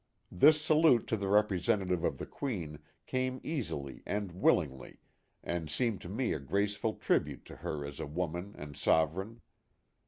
This salute to the represent ative of the Queen came easily and willingly and seemed to me a graceful tribute to her as a woman and sovereign.